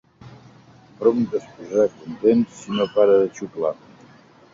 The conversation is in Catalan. Prompte es posarà content si no para de xuplar.